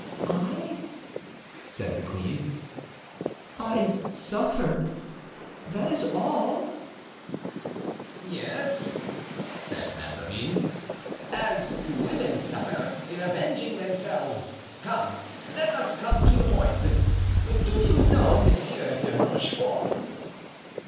"I!" said the queen. "I suffered, that is all." "Yes," said Mazarin, "as women suffer in avenging themselves. Come, let us come to the point. Do you know Monsieur de Rochefort?"